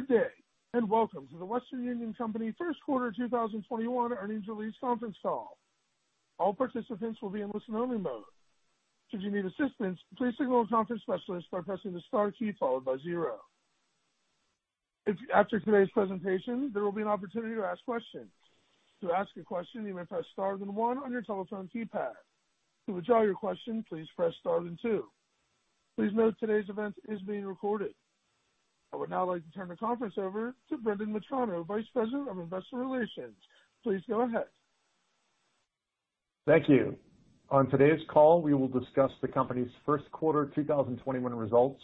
Good day, welcome to The Western Union Company first quarter 2021 earnings release conference call. All participants will be in listen-only mode. Should you need assistance, please signal a conference specialist by pressing the star key, followed by zero. After today's presentation, there will be an opportunity to ask questions. To ask a question, you may press star then one on your telephone keypad. To withdraw your question, please press star then two. Please note, today's event is being recorded. I would now like to turn the conference over to Brendan Metrano, Vice President of Investor Relations. Please go ahead. Thank you. On today's call, we will discuss the company's first quarter 2021 results,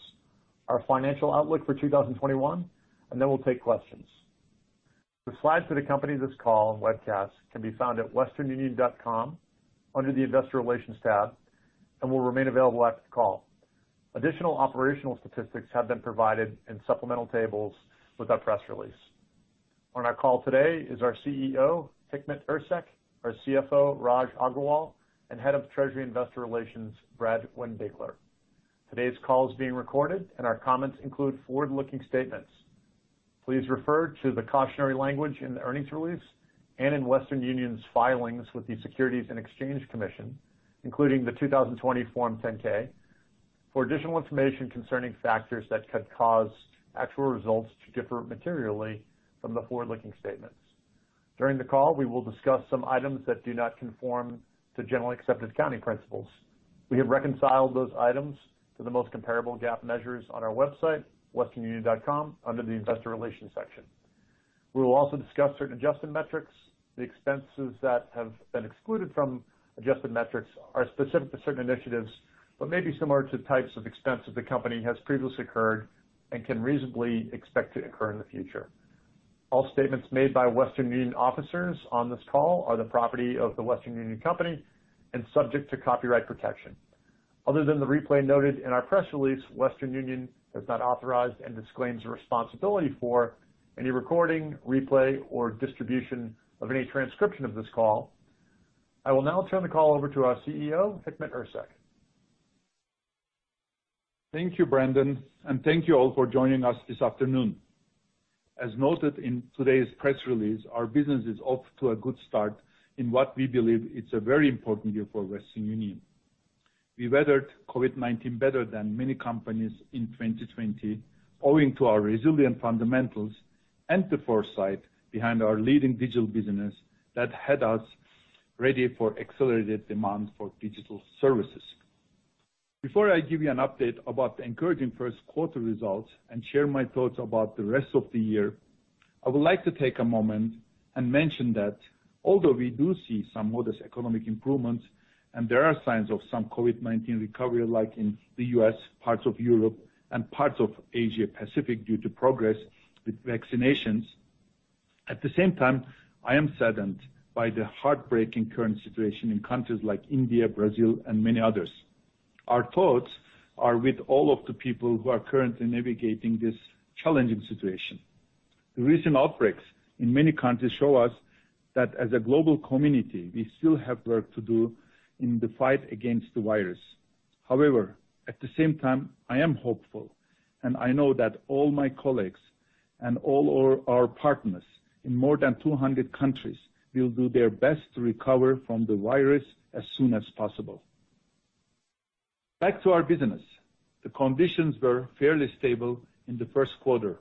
our financial outlook for 2021, and we'll take questions. The slides for the company this call and webcast can be found at westernunion.com under the investor relations tab and will remain available after the call. Additional operational statistics have been provided in supplemental tables with our press release. On our call today is our CEO, Hikmet Ersek, our CFO, Raj Agrawal, and Head of Treasury and Investor Relations, Brad Windbigler. Today's call is being recorded and our comments include forward-looking statements. Please refer to the cautionary language in the earnings release and in Western Union's filings with the Securities and Exchange Commission, including the 2020 Form 10-K for additional information concerning factors that could cause actual results to differ materially from the forward-looking statements. During the call, we will discuss some items that do not conform to generally accepted accounting principles. We have reconciled those items to the most comparable GAAP measures on our website, westernunion.com, under the Investor Relations section. We will also discuss certain adjusted metrics. The expenses that have been excluded from adjusted metrics are specific to certain initiatives, but may be similar to types of expense that the company has previously incurred and can reasonably expect to occur in the future. All statements made by Western Union officers on this call are the property of The Western Union Company and subject to copyright protection. Other than the replay noted in our press release, Western Union has not authorized and disclaims responsibility for any recording, replay, or distribution of any transcription of this call. I will now turn the call over to our CEO, Hikmet Ersek. Thank you, Brendan, and thank you all for joining us this afternoon. As noted in today's press release, our business is off to a good start in what we believe is a very important year for Western Union. We weathered COVID-19 better than many companies in 2020 owing to our resilient fundamentals and the foresight behind our leading digital business that had us ready for accelerated demand for digital services. Before I give you an update about the encouraging first quarter results and share my thoughts about the rest of the year, I would like to take a moment and mention that although we do see some modest economic improvements, and there are signs of some COVID-19 recovery like in the U.S., parts of Europe, and parts of Asia Pacific due to progress with vaccinations. At the same time, I am saddened by the heartbreaking current situation in countries like India, Brazil, and many others. Our thoughts are with all of the people who are currently navigating this challenging situation. The recent outbreaks in many countries show us that as a global community, we still have work to do in the fight against the virus. At the same time, I am hopeful, and I know that all my colleagues and all our partners in more than 200 countries will do their best to recover from the virus as soon as possible. Back to our business. The conditions were fairly stable in the first quarter.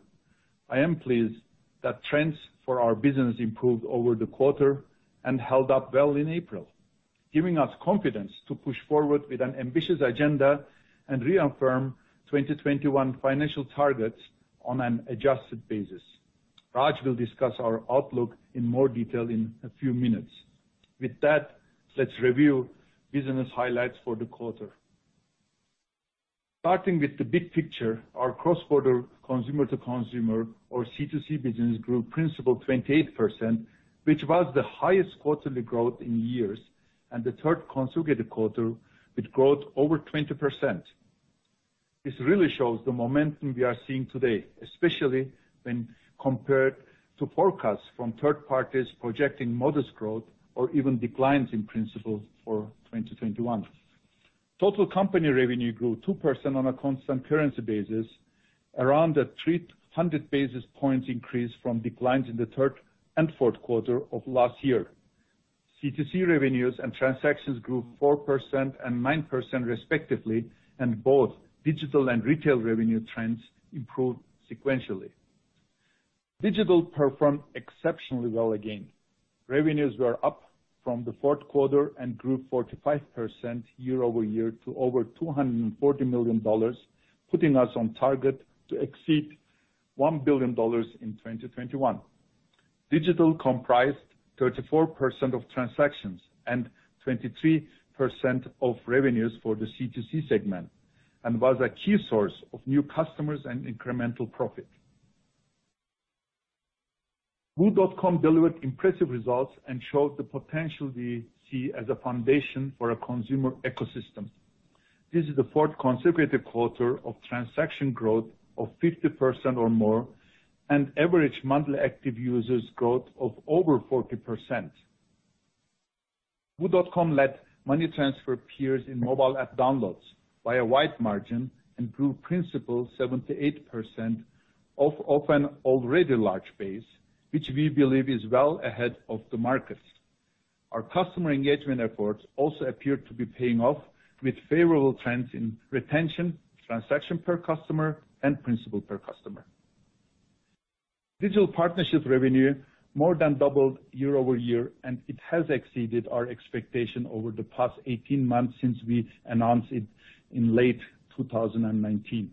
I am pleased that trends for our business improved over the quarter and held up well in April, giving us confidence to push forward with an ambitious agenda and reaffirm 2021 financial targets on an adjusted basis. Raj will discuss our outlook in more detail in a few minutes. With that, let's review business highlights for the quarter. Starting with the big picture, our cross-border consumer-to-consumer or C2C business grew principal 28%, which was the highest quarterly growth in years and the third consecutive quarter with growth over 20%. This really shows the momentum we are seeing today, especially when compared to forecasts from third parties projecting modest growth or even declines in principal for 2021. Total company revenue grew 2% on a constant currency basis, around a 300 basis points increase from declines in the third and fourth quarter of last year. C2C revenues and transactions grew 4% and 9% respectively, and both digital and retail revenue trends improved sequentially. Digital performed exceptionally well again. Revenues were up from the fourth quarter and grew 45% year-over-year to over $240 million, putting us on target to exceed $1 billion in 2021. Digital comprised 34% of transactions and 23% of revenues for the C2C segment and was a key source of new customers and incremental profit. WU.com delivered impressive results and showed the potential we see as a foundation for a consumer ecosystem. This is the fourth consecutive quarter of transaction growth of 50% or more and average monthly active users growth of over 40%. WU.com led money transfer peers in mobile app downloads by a wide margin, improved principal 78% of an already large base, which we believe is well ahead of the market. Our customer engagement efforts also appear to be paying off with favorable trends in retention, transaction per customer, and principal per customer. Digital partnership revenue more than doubled year-over-year, and it has exceeded our expectation over the past 18 months since we announced it in late 2019.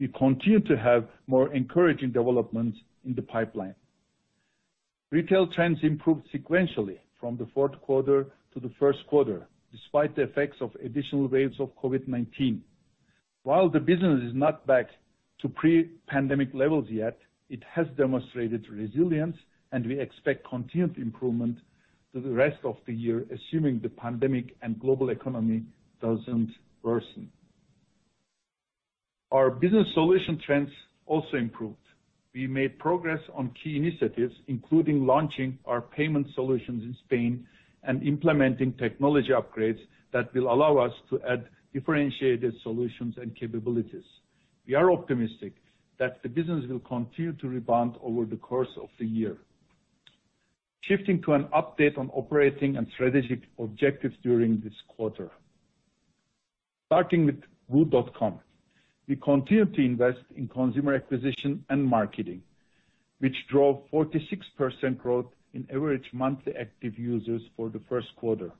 We continue to have more encouraging developments in the pipeline. Retail trends improved sequentially from the fourth quarter to the first quarter, despite the effects of additional waves of COVID-19. While the business is not back to pre-pandemic levels yet, it has demonstrated resilience, and we expect continued improvement through the rest of the year, assuming the pandemic and global economy doesn't worsen. Our Business Solutions trends also improved. We made progress on key initiatives, including launching our payment solutions in Spain and implementing technology upgrades that will allow us to add differentiated solutions and capabilities. We are optimistic that the business will continue to rebound over the course of the year. Shifting to an update on operating and strategic objectives during this quarter. Starting with WU.com. We continue to invest in consumer acquisition and marketing, which drove 46% growth in average monthly active users for the first quarter.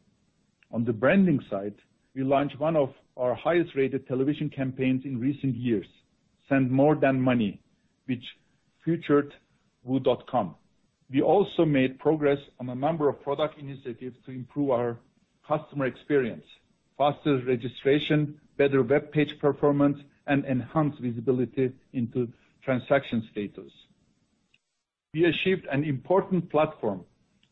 On the branding side, we launched one of our highest-rated television campaigns in recent years, Send More Than Money, which featured WU.com. We also made progress on a number of product initiatives to improve our customer experience, faster registration, better webpage performance, and enhanced visibility into transaction status. We achieved an important platform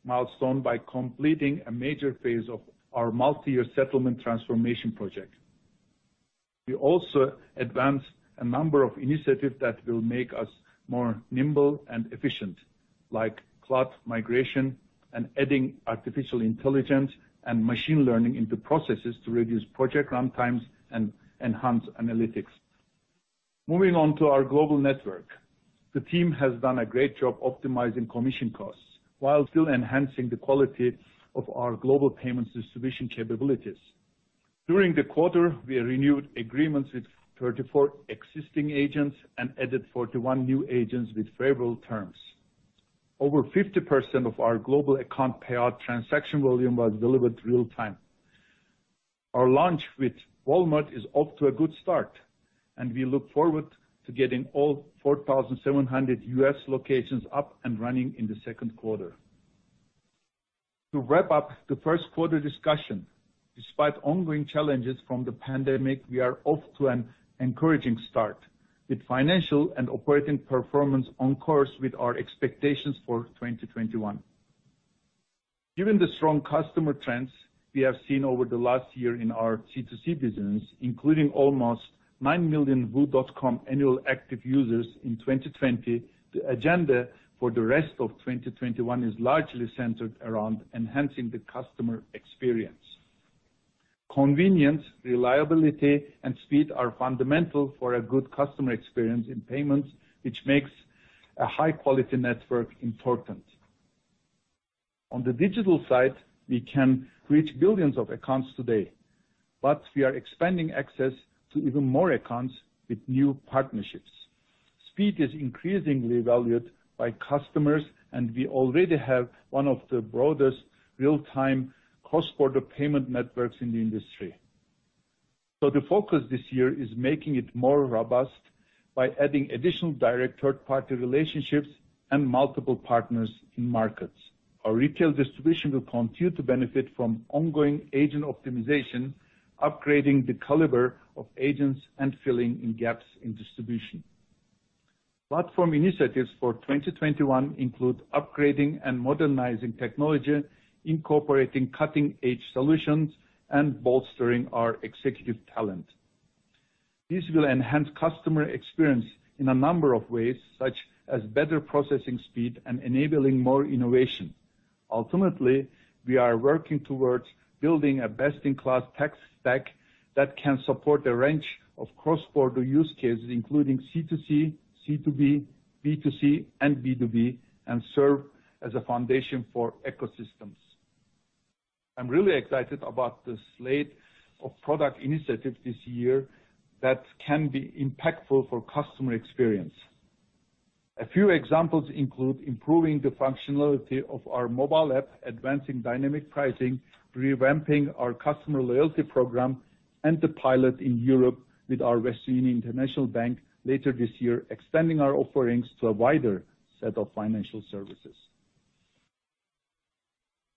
milestone by completing a major phase of our multi-year settlement transformation project. We also advanced a number of initiatives that will make us more nimble and efficient, like cloud migration and adding artificial intelligence and machine learning into processes to reduce project runtimes and enhance analytics. Moving on to our global network. The team has done a great job optimizing commission costs while still enhancing the quality of our global payments distribution capabilities. During the quarter, we renewed agreements with 34 existing agents and added 41 new agents with favorable terms. Over 50% of our global account payout transaction volume was delivered real time. Our launch with Walmart is off to a good start, and we look forward to getting all 4,700 U.S. locations up and running in the second quarter. To wrap up the first quarter discussion, despite ongoing challenges from the pandemic, we are off to an encouraging start, with financial and operating performance on course with our expectations for 2021. Given the strong customer trends we have seen over the last year in our C2C business, including almost nine million WU.com annual active users in 2020, the agenda for the rest of 2021 is largely centered around enhancing the customer experience. Convenience, reliability, and speed are fundamental for a good customer experience in payments, which makes a high-quality network important. On the digital side, we can reach billions of accounts today, but we are expanding access to even more accounts with new partnerships. Speed is increasingly valued by customers, and we already have one of the broadest real-time cross-border payment networks in the industry. The focus this year is making it more robust by adding additional direct third-party relationships and multiple partners in markets. Our retail distribution will continue to benefit from ongoing agent optimization, upgrading the caliber of agents, and filling in gaps in distribution. Platform initiatives for 2021 include upgrading and modernizing technology, incorporating cutting-edge solutions, and bolstering our executive talent. This will enhance customer experience in a number of ways, such as better processing speed and enabling more innovation. Ultimately, we are working towards building a best-in-class tech stack that can support a range of cross-border use cases, including C2C, C2B, B2C, and B2B, and serve as a foundation for ecosystems. I'm really excited about this slate of product initiatives this year that can be impactful for customer experience. A few examples include improving the functionality of our mobile app, advancing dynamic pricing, revamping our customer loyalty program, and the pilot in Europe with our Western Union International Bank later this year, extending our offerings to a wider set of financial services.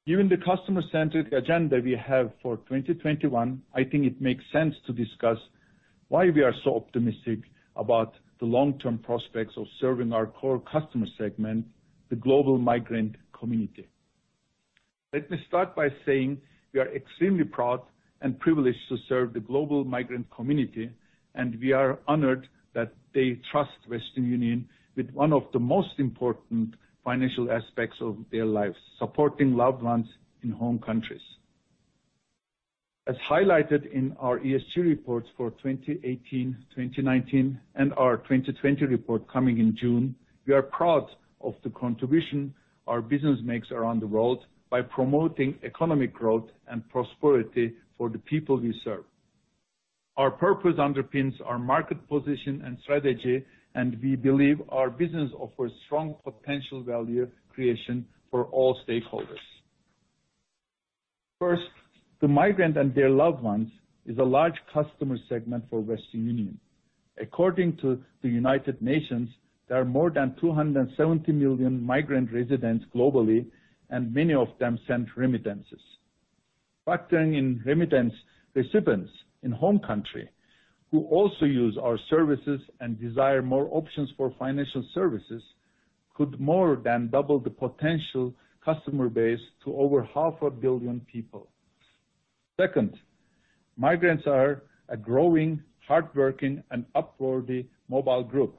Given the customer-centric agenda we have for 2021, I think it makes sense to discuss why we are so optimistic about the long-term prospects of serving our core customer segment, the global migrant community. Let me start by saying we are extremely proud and privileged to serve the global migrant community, and we are honored that they trust Western Union with one of the most important financial aspects of their lives, supporting loved ones in home countries. As highlighted in our ESG reports for 2018, 2019, and our 2020 report coming in June, we are proud of the contribution our business makes around the world by promoting economic growth and prosperity for the people we serve. Our purpose underpins our market position and strategy, and we believe our business offers strong potential value creation for all stakeholders. First, the migrant and their loved ones is a large customer segment for Western Union. According to the United Nations, there are more than 270 million migrant residents globally, and many of them send remittances. Factoring in remittance recipients in home country who also use our services and desire more options for financial services could more than double the potential customer base to over half a billion people. Second, migrants are a growing, hardworking and upwardly mobile group.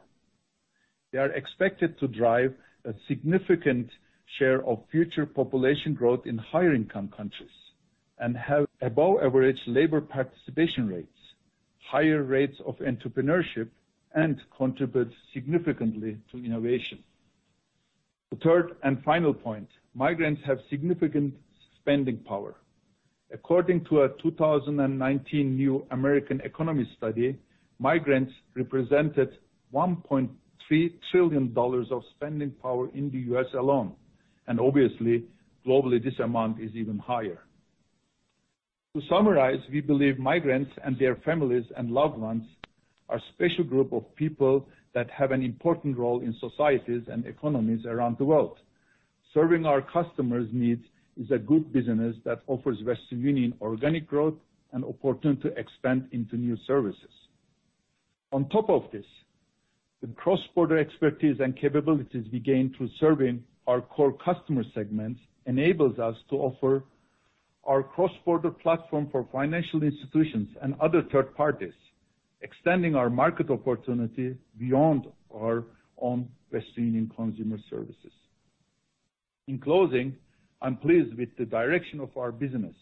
They are expected to drive a significant share of future population growth in higher income countries and have above average labor participation rates, higher rates of entrepreneurship, and contribute significantly to innovation. The third and final point, migrants have significant spending power. According to a 2019 New American Economy Study, migrants represented $1.3 trillion of spending power in the U.S. alone, and obviously globally, this amount is even higher. To summarize, we believe migrants and their families and loved ones are special group of people that have an important role in societies and economies around the world. Serving our customers' needs is a good business that offers Western Union organic growth and opportunity to expand into new services. On top of this, the cross-border expertise and capabilities we gain through serving our core customer segments enables us to offer our cross-border platform for financial institutions and other third parties, extending our market opportunity beyond our own Western Union consumer services. In closing, I'm pleased with the direction of our business.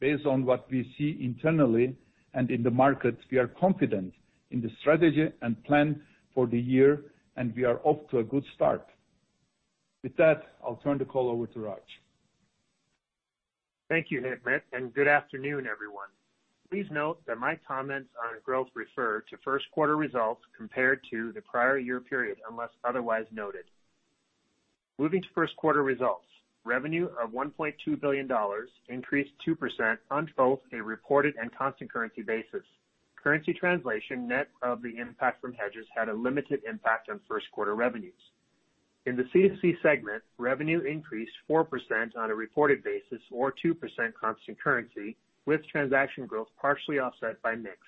Based on what we see internally and in the market, we are confident in the strategy and plan for the year, and we are off to a good start. With that, I'll turn the call over to Raj. Thank you, Hikmet, and good afternoon, everyone. Please note that my comments on growth refer to first quarter results compared to the prior year period, unless otherwise noted. Moving to first quarter results. Revenue of $1.2 billion increased 2% on both a reported and constant currency basis. Currency translation, net of the impact from hedges, had a limited impact on first quarter revenues. In the C2C segment, revenue increased 4% on a reported basis or 2% constant currency, with transaction growth partially offset by mix.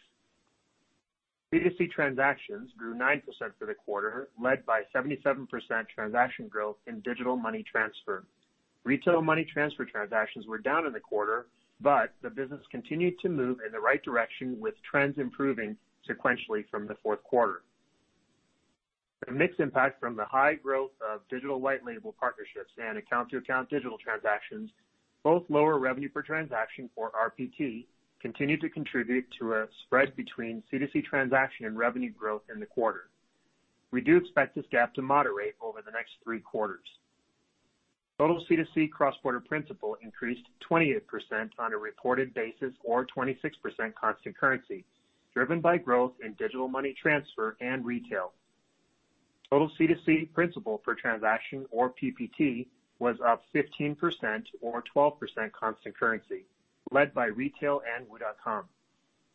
C2C transactions grew 9% for the quarter, led by 77% transaction growth in digital money transfer. Retail money transfer transactions were down in the quarter, but the business continued to move in the right direction, with trends improving sequentially from the fourth quarter. The mix impact from the high growth of digital white label partnerships and account-to-account digital transactions, both lower revenue per transaction or RPT, continued to contribute to a spread between C2C transaction and revenue growth in the quarter. We do expect this gap to moderate over the next three quarters. Total C2C cross-border principal increased 28% on a reported basis or 26% constant currency, driven by growth in digital money transfer and retail. Total C2C principal per transaction or PPT was up 15% or 12% constant currency, led by retail and WU.com.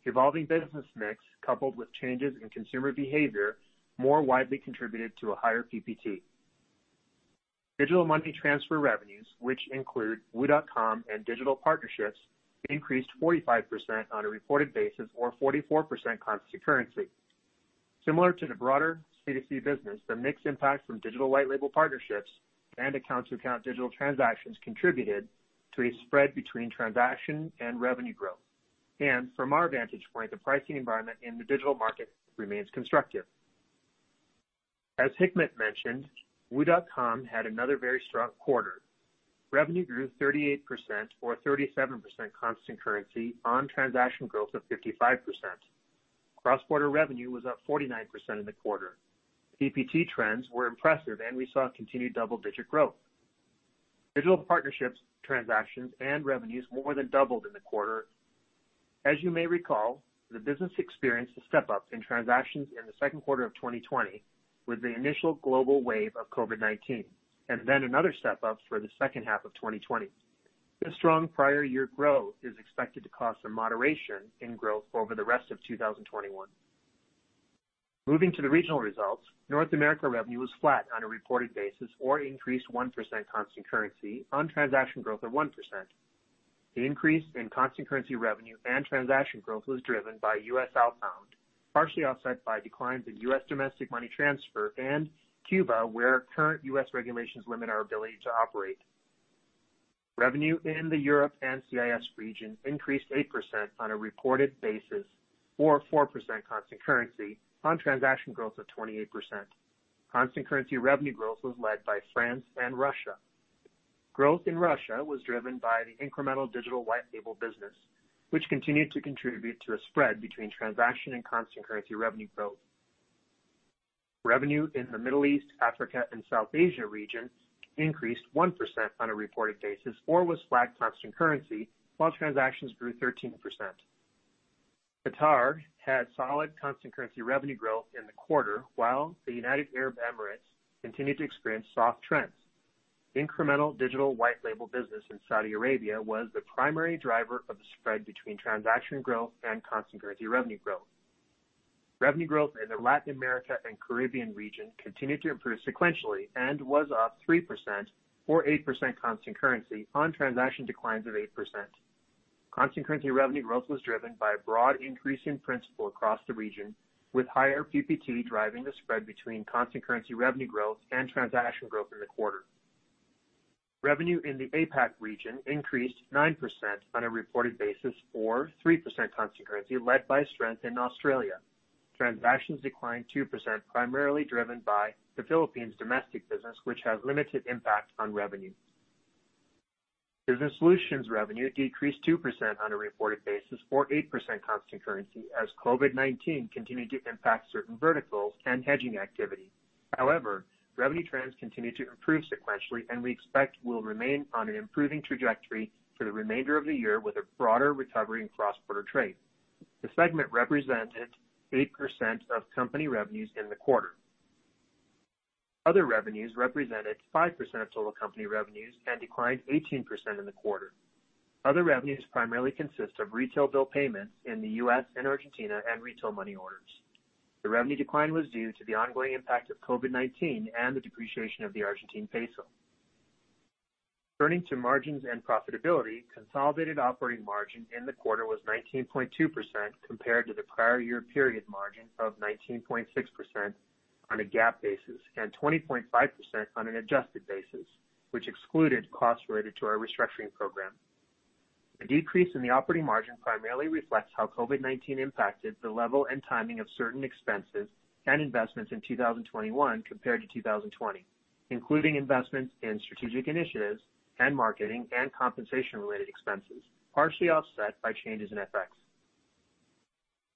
Evolving business mix coupled with changes in consumer behavior more widely contributed to a higher PPT. Digital money transfer revenues, which include WU.com and digital partnerships, increased 45% on a reported basis or 44% constant currency. Similar to the broader C2C business, the mix impact from digital white label partnerships and account-to-account digital transactions contributed to a spread between transaction and revenue growth. From our vantage point, the pricing environment in the digital market remains constructive. Hikmet mentioned, WU.com had another very strong quarter. Revenue grew 38% or 37% constant currency on transaction growth of 55%. Cross-border revenue was up 49% in the quarter. PPT trends were impressive and we saw continued double-digit growth. Digital partnerships transactions and revenues more than doubled in the quarter. As you may recall, the business experienced a step-up in transactions in the second quarter of 2020 with the initial global wave of COVID-19, then another step-up for the second half of 2020. This strong prior year growth is expected to cause some moderation in growth over the rest of 2021. Moving to the regional results. North America revenue was flat on a reported basis or increased 1% constant currency on transaction growth of 1%. The increase in constant currency revenue and transaction growth was driven by U.S. outbound, partially offset by declines in U.S. domestic money transfer and Cuba, where current U.S. regulations limit our ability to operate. Revenue in the Europe and CIS region increased 8% on a reported basis or 4% constant currency on transaction growth of 28%. Constant currency revenue growth was led by France and Russia. Growth in Russia was driven by the incremental digital white label business, which continued to contribute to a spread between transaction and constant currency revenue growth. Revenue in the Middle East, Africa, and South Asia region increased 1% on a reported basis or was flat constant currency, while transactions grew 13%. Qatar had solid constant currency revenue growth in the quarter while the United Arab Emirates continued to experience soft trends. Incremental digital white label business in Saudi Arabia was the primary driver of the spread between transaction growth and constant currency revenue growth. Revenue growth in the Latin America and Caribbean region continued to improve sequentially and was up 3% or 8% constant currency on transaction declines of 8%. Constant currency revenue growth was driven by a broad increase in principal across the region, with higher PPT driving the spread between constant currency revenue growth and transaction growth in the quarter. Revenue in the APAC region increased 9% on a reported basis or 3% constant currency led by strength in Australia. Transactions declined 2%, primarily driven by the Philippines domestic business, which has limited impact on revenue. Business Solutions revenue decreased 2% on a reported basis or 8% constant currency as COVID-19 continued to impact certain verticals and hedging activity. However, revenue trends continue to improve sequentially and we expect will remain on an improving trajectory for the remainder of the year with a broader recovery in cross-border trade. The segment represented 8% of company revenues in the quarter. Other revenues represented 5% of total company revenues and declined 18% in the quarter. Other revenues primarily consist of retail bill payments in the U.S. and Argentina and retail money orders. The revenue decline was due to the ongoing impact of COVID-19 and the depreciation of the Argentine peso. Turning to margins and profitability, consolidated operating margin in the quarter was 19.2% compared to the prior year period margin of 19.6% on a GAAP basis and 20.5% on an adjusted basis, which excluded costs related to our restructuring program. The decrease in the operating margin primarily reflects how COVID-19 impacted the level and timing of certain expenses and investments in 2021 compared to 2020, including investments in strategic initiatives and marketing and compensation-related expenses, partially offset by changes in FX.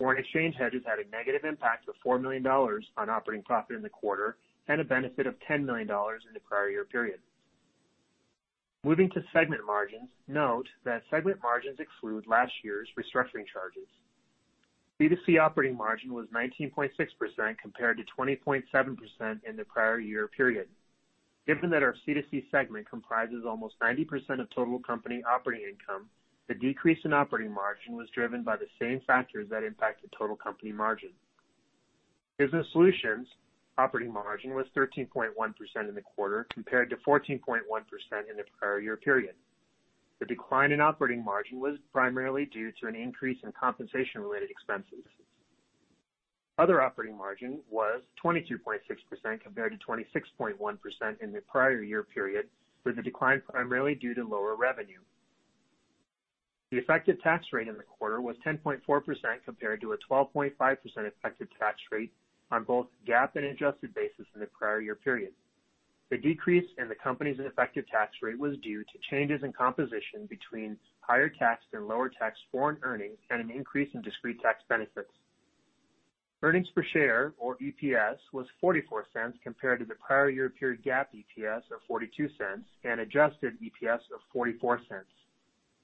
Foreign exchange hedges had a negative impact of $4 million on operating profit in the quarter and a benefit of $10 million in the prior year period. Moving to segment margins, note that segment margins exclude last year's restructuring charges. C2C operating margin was 19.6% compared to 20.7% in the prior year period. Given that our C2C segment comprises almost 90% of total company operating income, the decrease in operating margin was driven by the same factors that impacted total company margin. Business Solutions operating margin was 13.1% in the quarter compared to 14.1% in the prior year period. The decline in operating margin was primarily due to an increase in compensation-related expenses. Other operating margin was 22.6% compared to 26.1% in the prior year period, with the decline primarily due to lower revenue. The effective tax rate in the quarter was 10.4% compared to a 12.5% effective tax rate on both GAAP and adjusted basis in the prior year period. The decrease in the company's effective tax rate was due to changes in composition between higher tax and lower tax foreign earnings and an increase in discrete tax benefits. Earnings per share or EPS was $0.44 compared to the prior year period GAAP EPS of $0.42 and adjusted EPS of $0.44.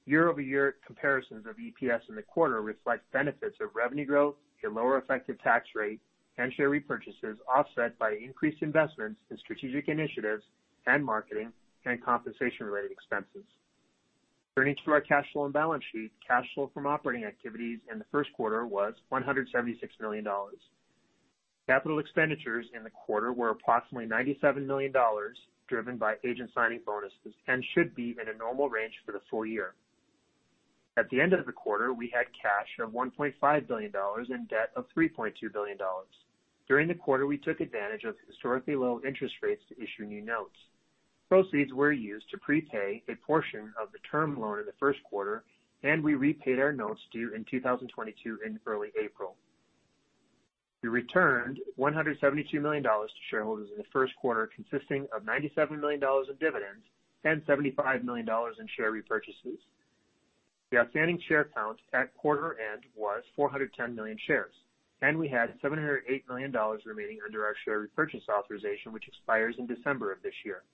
Year-over-year comparisons of EPS in the quarter reflect benefits of revenue growth, a lower effective tax rate, and share repurchases offset by increased investments in strategic initiatives and marketing and compensation-related expenses. Turning to our cash flow and balance sheet, cash flow from operating activities in the first quarter was $176 million. Capital expenditures in the quarter were approximately $97 million, driven by agent signing bonuses and should be in a normal range for the full year. At the end of the quarter, we had cash of $1.5 billion and debt of $3.2 billion. During the quarter, we took advantage of historically low interest rates to issue new notes. Proceeds were used to pre-pay a portion of the term loan in the first quarter, and we repaid our notes due in 2022 in early April. We returned $172 million to shareholders in the first quarter, consisting of $97 million in dividends and $75 million in share repurchases. The outstanding share count at quarter end was 410 million shares, and we had $708 million remaining under our share repurchase authorization, which expires in December of this year.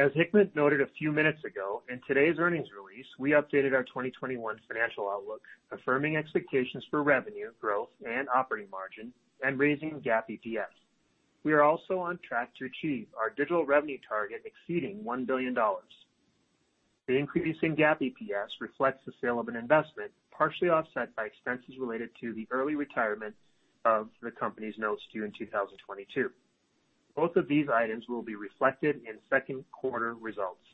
As Hikmet noted a few minutes ago, in today's earnings release, we updated our 2021 financial outlook, affirming expectations for revenue growth and operating margin and raising GAAP EPS. We are also on track to achieve our digital revenue target exceeding $1 billion. The increase in GAAP EPS reflects the sale of an investment, partially offset by expenses related to the early retirement of the company's notes due in 2022. Both of these items will be reflected in second quarter results.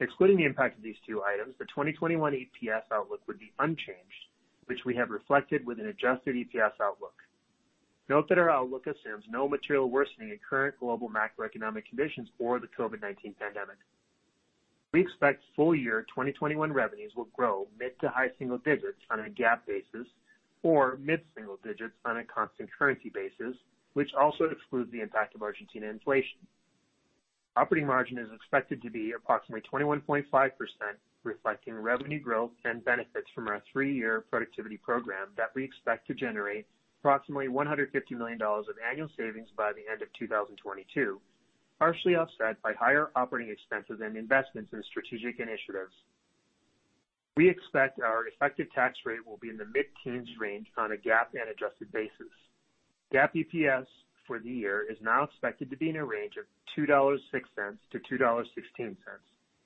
Excluding the impact of these two items, the 2021 EPS outlook would be unchanged, which we have reflected with an adjusted EPS outlook. Note that our outlook assumes no material worsening in current global macroeconomic conditions or the COVID-19 pandemic. We expect full-year 2021 revenues will grow mid to high single-digits on a GAAP basis or mid single-digits on a constant currency basis, which also excludes the impact of Argentina inflation. Operating margin is expected to be approximately 21.5%, reflecting revenue growth and benefits from our three-year productivity program that we expect to generate approximately $150 million of annual savings by the end of 2022, partially offset by higher operating expenses and investments in strategic initiatives. We expect our effective tax rate will be in the mid-teens range on a GAAP and adjusted basis. GAAP EPS for the year is now expected to be in a range of $2.06-$2.16,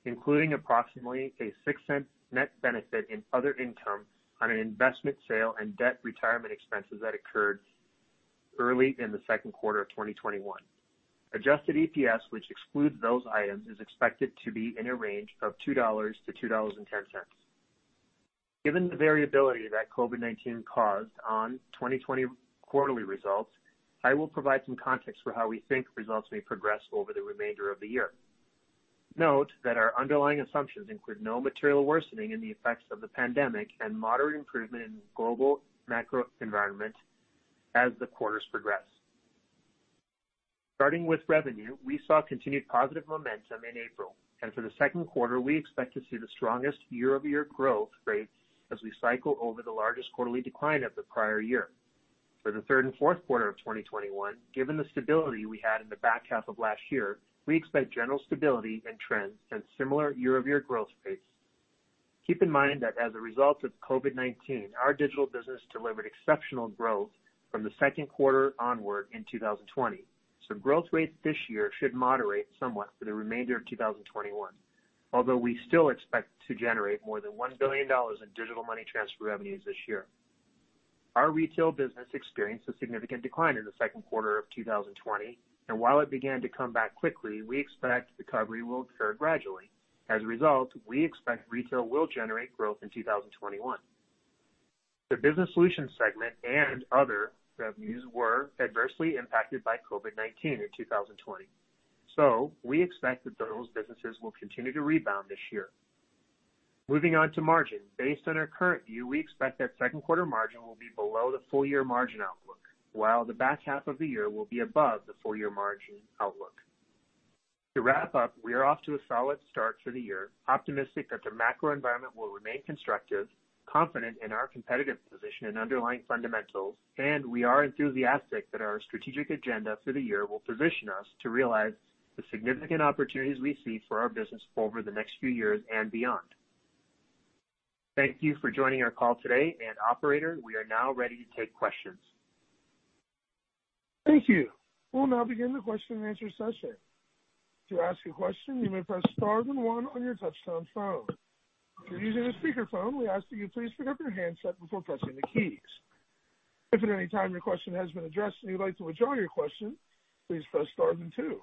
including approximately a $0.06 net benefit in other income on an investment sale and debt retirement expenses that occurred early in the second quarter of 2021. Adjusted EPS, which excludes those items, is expected to be in a range of $2.00-$2.10. Given the variability that COVID-19 caused on 2020 quarterly results, I will provide some context for how we think results may progress over the remainder of the year. Note that our underlying assumptions include no material worsening in the effects of the pandemic and moderate improvement in global macro environment as the quarters progress. For the second quarter, we expect to see the strongest year-over-year growth rate as we cycle over the largest quarterly decline of the prior year. For the third and fourth quarter of 2021, given the stability we had in the back half of last year, we expect general stability and trends and similar year-over-year growth rates. Keep in mind that as a result of COVID-19, our digital business delivered exceptional growth from the second quarter onward in 2020. Growth rates this year should moderate somewhat for the remainder of 2021. Although we still expect to generate more than $1 billion in digital money transfer revenues this year. Our retail business experienced a significant decline in the second quarter of 2020, and while it began to come back quickly, we expect recovery will occur gradually. As a result, we expect retail will generate growth in 2021. The Business Solutions segment and other revenues were adversely impacted by COVID-19 in 2020. We expect that those businesses will continue to rebound this year. Moving on to margin. Based on our current view, we expect that second quarter margin will be below the full-year margin outlook, while the back half of the year will be above the full-year margin outlook. To wrap up, we are off to a solid start for the year, optimistic that the macro environment will remain constructive, confident in our competitive position and underlying fundamentals, and we are enthusiastic that our strategic agenda for the year will position us to realize the significant opportunities we see for our business over the next few years and beyond. Thank you for joining our call today, and operator, we are now ready to take questions. Thank you. We'll now begin the question and answer session. To ask a question, you may press star then one on your touch-tone phone. If you're using a speakerphone, we ask that you please pick up your handset before pressing the keys. If at any time your question has been addressed and you'd like to withdraw your question, please press star then two.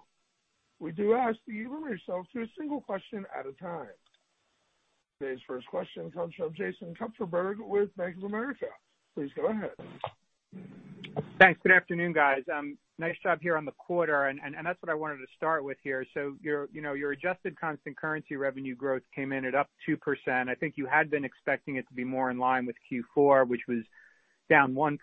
We do ask that you limit yourself to a single question at a time. Today's first question comes from Jason Kupferberg with Bank of America. Please go ahead. Thanks. Good afternoon, guys. Nice job here on the quarter. That's what I wanted to start with here. Your adjusted constant currency revenue growth came in at up 2%. I think you had been expecting it to be more in line with Q4, which was down 1%.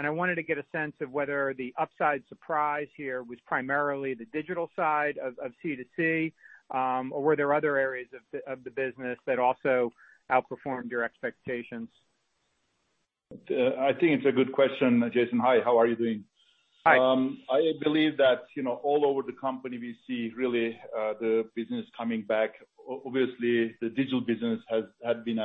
I wanted to get a sense of whether the upside surprise here was primarily the digital side of C2C, or were there other areas of the business that also outperformed your expectations? I think it's a good question, Jason. Hi, how are you doing? Hi. I believe that all over the company, we see really the business coming back. The digital business had been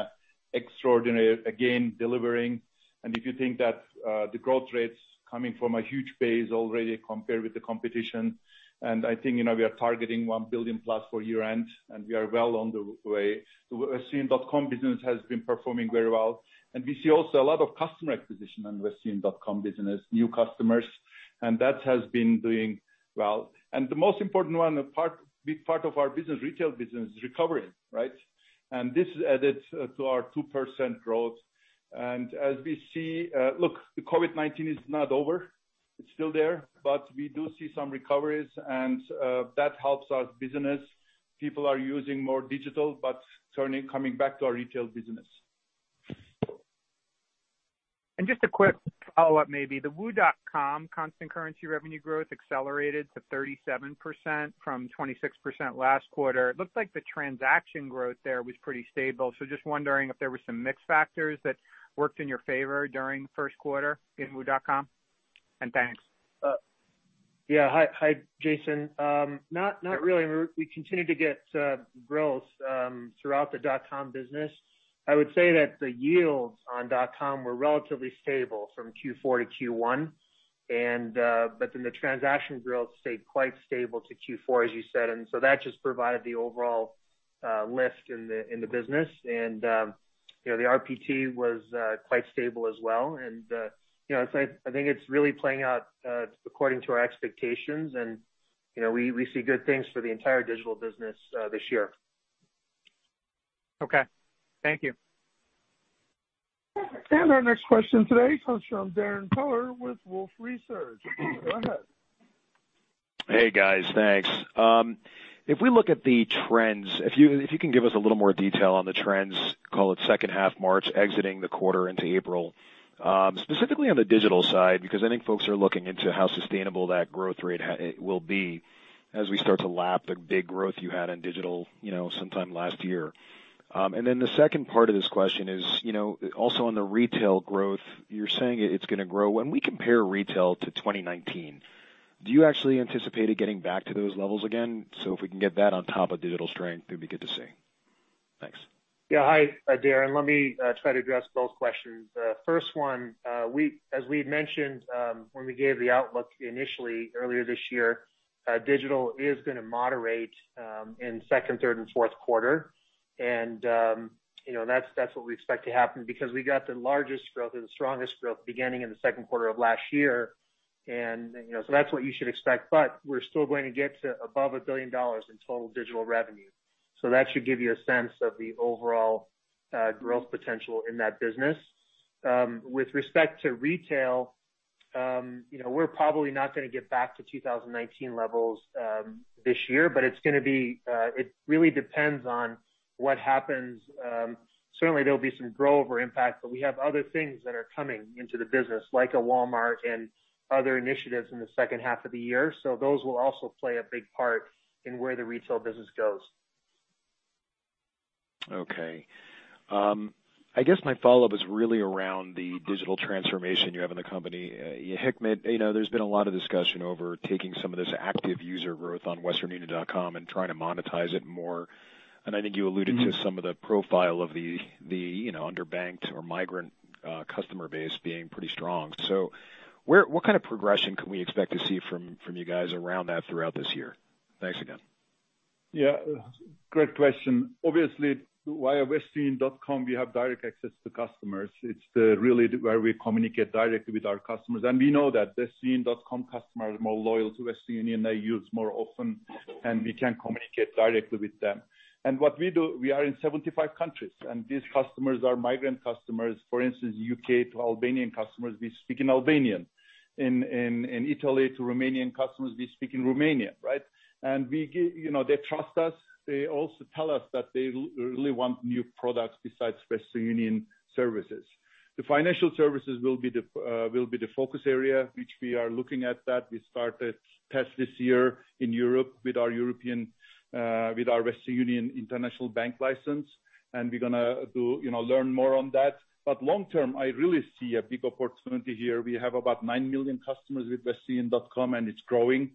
extraordinary again, delivering. If you think that the growth rates coming from a huge base already compared with the competition, I think we are targeting $1 billion+ for year-end, we are well on the way. The Westernunion.com business has been performing very well, we see also a lot of customer acquisition on Westernunion.com business, new customers, that has been doing well. The most important one, a big part of our business, retail business, is recovering, right? This added to our 2% growth. As we see, look, the COVID-19 is not over. It's still there, we do see some recoveries, that helps our business. People are using more digital, coming back to our retail business. Just a quick follow-up, maybe. The WU.com constant currency revenue growth accelerated to 37% from 26% last quarter. It looks like the transaction growth there was pretty stable, so just wondering if there were some mix factors that worked in your favor during the first quarter in WU.com? Thanks. Yeah. Hi, Jason. Not really. We continued to get growth throughout the .com business. I would say that the yields on .com were relatively stable from Q4 to Q1. The transaction growth stayed quite stable to Q4, as you said, that just provided the overall lift in the business. The RPT was quite stable as well. I think it's really playing out according to our expectations, and we see good things for the entire digital business this year. Okay. Thank you. Our next question today comes from Darrin Peller with Wolfe Research. Go ahead. Hey, guys. Thanks. If you can give us a little more detail on the trends, call it second half March exiting the quarter into April, specifically on the digital side, because I think folks are looking into how sustainable that growth rate will be as we start to lap the big growth you had in digital sometime last year. The second part of this question is, also on the retail growth, you're saying it's going to grow. When we compare retail to 2019, do you actually anticipate it getting back to those levels again? If we can get that on top of digital strength, it'd be good to see. Thanks. Hi, Darrin. Let me try to address both questions. The first one, as we had mentioned when we gave the outlook initially earlier this year, digital is going to moderate in second, third, and fourth quarter. That's what we expect to happen because we got the largest growth or the strongest growth beginning in the second quarter of last year. That's what you should expect. We're still going to get to above $1 billion in total digital revenue. That should give you a sense of the overall growth potential in that business. With respect to retail, we're probably not going to get back to 2019 levels this year, but it really depends on what happens. Certainly, there'll be some rollover impact, but we have other things that are coming into the business, like a Walmart and other initiatives in the second half of the year. Those will also play a big part in where the retail business goes. Okay. I guess my follow-up is really around the digital transformation you have in the company. Hikmet, there's been a lot of discussion over taking some of this active user growth on Westernunion.com and trying to monetize it more. I think you alluded to some of the profile of the underbanked or migrant customer base being pretty strong. What kind of progression can we expect to see from you guys around that throughout this year? Thanks again. Yeah. Great question. Obviously, via westernunion.com, we have direct access to customers. It's really where we communicate directly with our customers. We know that Westernunion.com customers are more loyal to Western Union. They use more often, we can communicate directly with them. What we do, we are in 75 countries, these customers are migrant customers. For instance, U.K. to Albanian customers, we speak in Albanian. In Italy to Romanian customers, we speak in Romanian, right? They trust us. They also tell us that they really want new products besides Western Union services. The financial services will be the focus area, which we are looking at that. We started test this year in Europe with our Western Union International Bank license, we're going to learn more on that. Long term, I really see a big opportunity here. We have about 9 million customers with westernunion.com, and it's growing.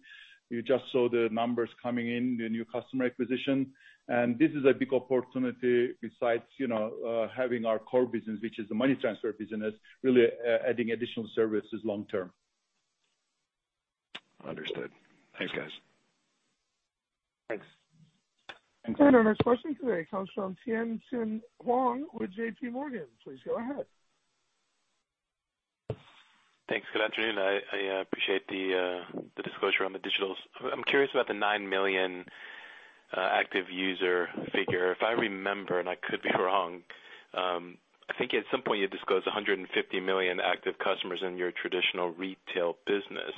You just saw the numbers coming in, the new customer acquisition. This is a big opportunity besides having our core business, which is the money transfer business, really adding additional services long term. Understood. Thanks, guys. Thanks. Our next question today comes from Tien-tsin Huang with JPMorgan. Please go ahead. Thanks. Good afternoon. I appreciate the disclosure on the digitals. I'm curious about the 9 million active user figure. If I remember, and I could be wrong, I think at some point you disclosed 150 million active customers in your traditional retail business.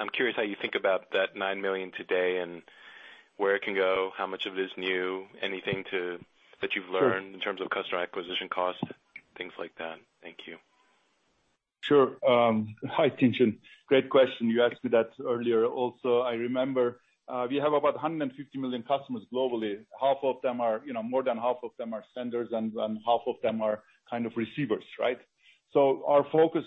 I'm curious how you think about that 9 million today and where it can go, how much of it is new, anything that you've learned in terms of customer acquisition cost, things like that. Thank you. Sure. Hi, Tien-tsin. Great question. You asked me that earlier also. I remember we have about 150 million customers globally. More than half of them are senders, and half of them are kind of receivers, right? Our focus,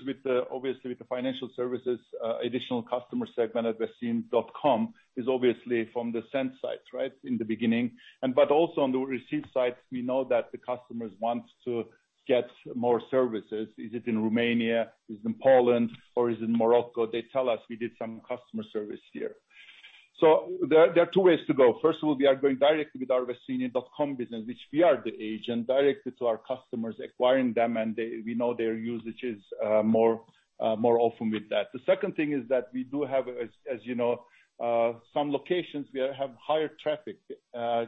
obviously, with the financial services additional customer segment at westernunion.com is obviously from the send side in the beginning. Also on the receive side, we know that the customers want to get more services. Is it in Romania, is it in Poland, or is it in Morocco? They tell us we did some customer service here. There are two ways to go. First of all, we are going directly with our Westernunion.com business, which we are the agent directly to our customers acquiring them, and we know their usage is more often with that. The second thing is that we do have some locations we have higher traffic,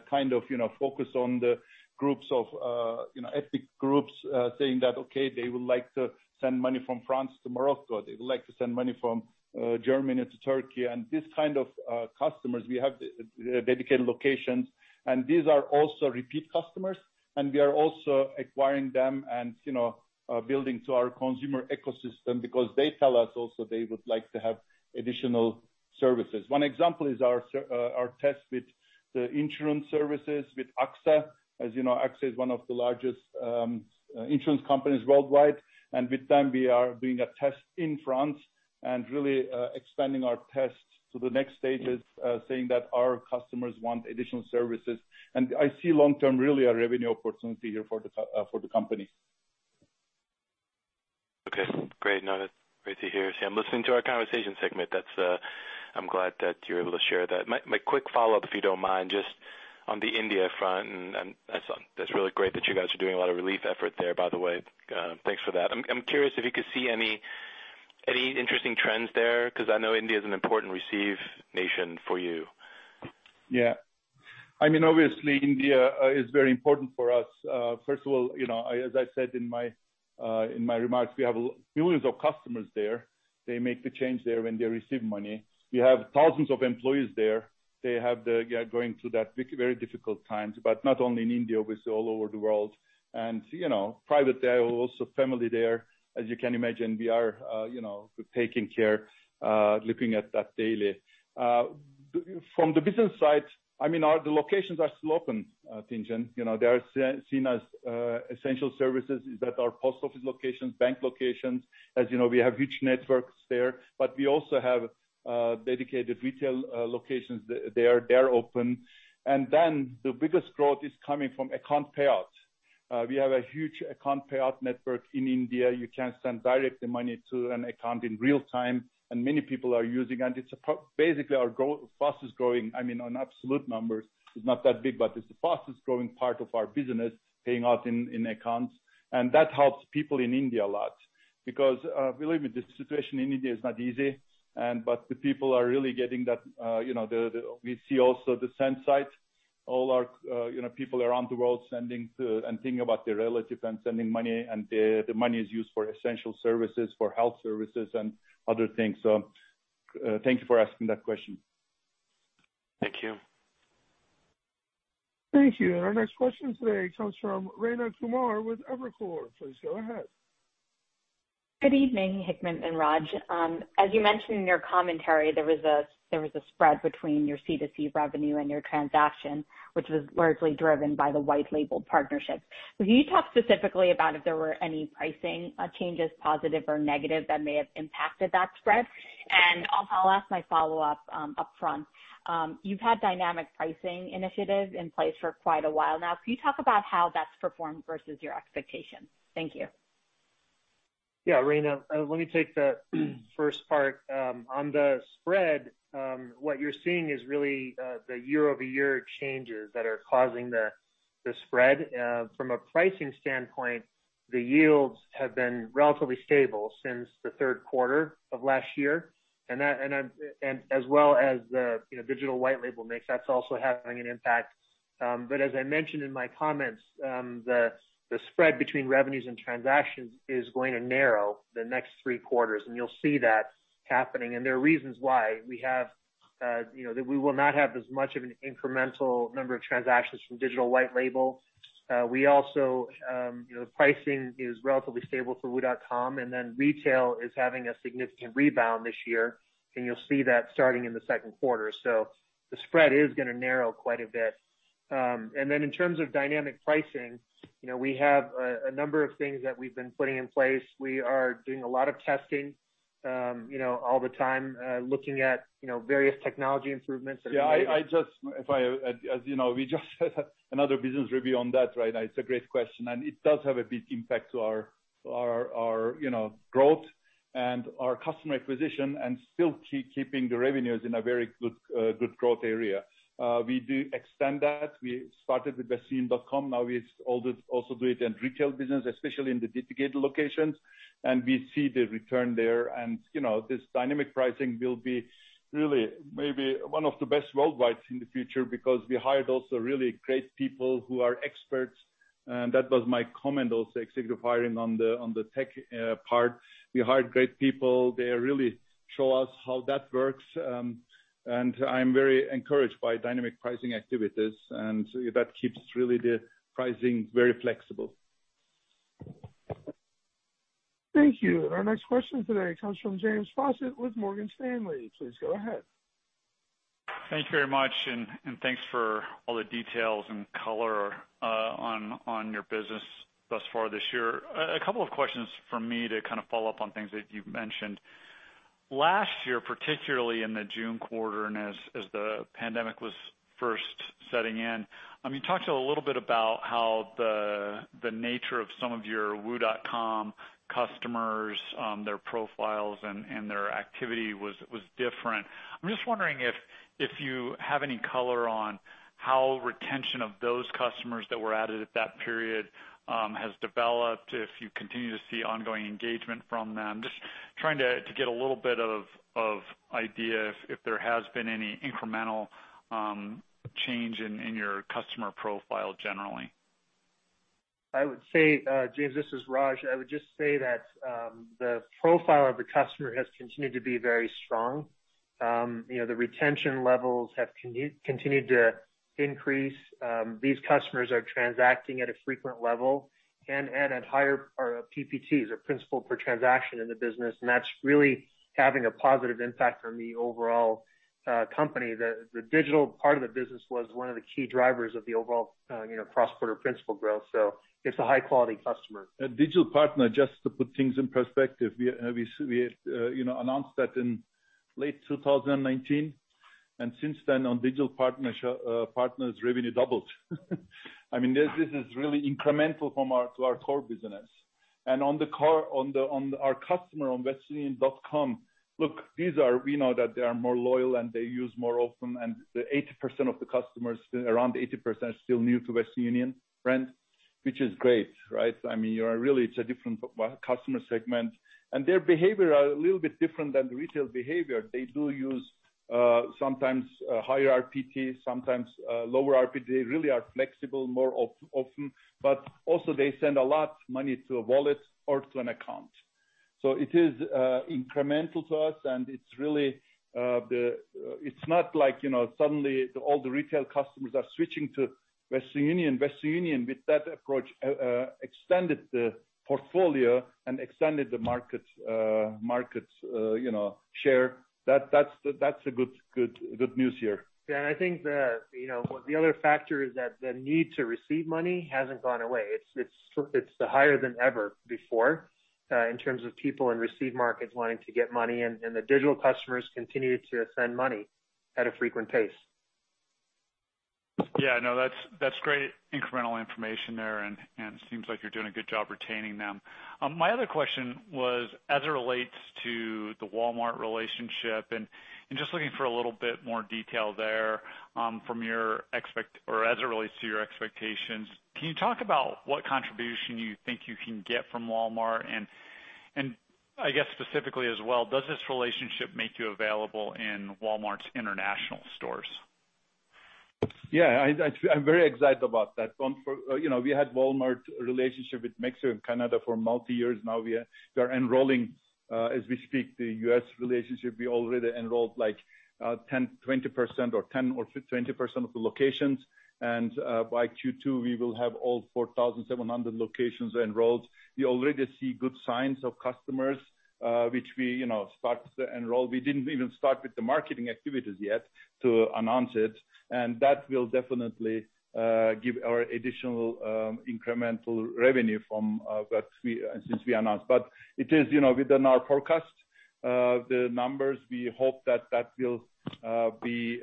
kind of focus on the ethnic groups saying that, okay, they would like to send money from France to Morocco. They would like to send money from Germany to Turkey. These kind of customers, we have dedicated locations, and these are also repeat customers, and we are also acquiring them and building to our consumer ecosystem because they tell us also they would like to have additional services. One example is our test with the insurance services with AXA. As you know, AXA is one of the largest insurance companies worldwide. With them, we are doing a test in France and really expanding our test to the next stages, saying that our customers want additional services. I see long term, really a revenue opportunity here for the company. Okay. Great to hear. See, I'm listening to our conversation segment. I'm glad that you're able to share that. My quick follow-up, if you don't mind, just on the India front. That's really great that you guys are doing a lot of relief effort there, by the way. Thanks for that. I'm curious if you could see any interesting trends there, because I know India is an important receive nation for you. Yeah. Obviously India is very important for us. First of all, as I said in my remarks, we have millions of customers there. They make the change there when they receive money. We have thousands of employees there. They are going through that very difficult times, but not only in India, obviously all over the world. Private there, also family there. As you can imagine, we are taking care, looking at that daily. From the business side, the locations are still open, Tien-tsin Huang. They are seen as essential services is at our post office locations, bank locations. As you know, we have huge networks there, but we also have dedicated retail locations there. They're open. The biggest growth is coming from account payouts. We have a huge account payout network in India. You can send directly money to an account in real time, and many people are using it. It's basically our fastest-growing, on absolute numbers, it's not that big, but it's the fastest-growing part of our business, paying out in accounts. That helps people in India a lot because believe me, the situation in India is not easy. The people are really getting that. We see also the send side, all our people around the world sending to and thinking about their relatives and sending money, and the money is used for essential services, for health services and other things. Thank you for asking that question. Thank you. Thank you. Our next question today comes from Rayna Kumar with Evercore. Please go ahead. Good evening, Hikmet and Raj. As you mentioned in your commentary, there was a spread between your C2C revenue and your transaction, which was largely driven by the white label partnerships. Could you talk specifically about if there were any pricing changes, positive or negative, that may have impacted that spread? I'll ask my follow-up upfront. You've had dynamic pricing initiatives in place for quite a while now. Can you talk about how that's performed versus your expectations? Thank you. Yeah, Rayna, let me take the first part. On the spread, what you're seeing is really the year-over-year changes that are causing the spread. From a pricing standpoint, the yields have been relatively stable since the third quarter of last year, and as well as the digital white label mix, that's also having an impact. As I mentioned in my comments, the spread between revenues and transactions is going to narrow the next three quarters, and you'll see that happening. There are reasons why. We will not have as much of an incremental number of transactions from digital white label. Pricing is relatively stable for WU.com, and then retail is having a significant rebound this year, and you'll see that starting in the second quarter. The spread is going to narrow quite a bit. In terms of dynamic pricing, we have a number of things that we've been putting in place. We are doing a lot of testing all the time, looking at various technology improvements that we made. Yeah. We just had another business review on that, Rayna. It does have a big impact to our growth and our customer acquisition, and still keeping the revenues in a very good growth area. We do extend that. We started with Westernunion.com. Now we also do it in retail business, especially in the dedicated locations. We see the return there. This dynamic pricing will be really maybe one of the best worldwide in the future because we hired also really great people who are experts. That was my comment also, executive hiring on the tech part. We hired great people. They really show us how that works. I'm very encouraged by dynamic pricing activities, and so that keeps really the pricing very flexible. Thank you. Our next question today comes from James Faucette with Morgan Stanley. Please go ahead. Thank you very much, and thanks for all the details and color on your business thus far this year. A couple of questions from me to follow up on things that you've mentioned. Last year, particularly in the June quarter and as the pandemic was first setting in, you talked a little bit about how the nature of some of your WU.com customers, their profiles and their activity was different. I'm just wondering if you have any color on how retention of those customers that were added at that period has developed, if you continue to see ongoing engagement from them. Just trying to get a little bit of idea if there has been any incremental change in your customer profile generally. James, this is Raj. I would just say that the profile of the customer has continued to be very strong. The retention levels have continued to increase. These customers are transacting at a frequent level and at higher PPTs or principal per transaction in the business, and that's really having a positive impact on the overall company. The digital part of the business was one of the key drivers of the overall cross-border principal growth. It's a high-quality customer. Digital partner, just to put things in perspective, we announced that in late 2019. Since then, on digital partners revenue doubled. This is really incremental to our core business. On our customer on Westernunion.com, look, we know that they are more loyal and they use more often, and around 80% are still new to Western Union brand. Which is great, right? It's a different customer segment. Their behavior are a little bit different than retail behavior. They do use sometimes higher RPT, sometimes lower RPT. They really are flexible more often. Also they send a lot money to a wallet or to an account. It is incremental to us, and it's not like suddenly all the retail customers are switching to Western Union. Western Union, with that approach, extended the portfolio and extended the market share. That's a good news here. I think the other factor is that the need to receive money hasn't gone away. It's higher than ever before in terms of people in receive markets wanting to get money. The digital customers continue to send money at a frequent pace. Yeah, no, that's great incremental information there, and it seems like you're doing a good job retaining them. My other question was, as it relates to the Walmart relationship and just looking for a little bit more detail there as it relates to your expectations, can you talk about what contribution you think you can get from Walmart? I guess specifically as well, does this relationship make you available in Walmart's international stores? Yeah, I'm very excited about that. We had Walmart relationship with Mexico and Canada for multi years now. We are enrolling, as we speak, the U.S. relationship. We already enrolled 20% of the locations, and by Q2, we will have all 4,700 locations enrolled. We already see good signs of customers which we start to enroll. We didn't even start with the marketing activities yet to announce it, and that will definitely give our additional incremental revenue since we announced. Within our forecast, the numbers, we hope that that will be,